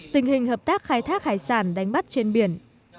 tình hình hợp tác khai thác hải sản đánh bắt trên biển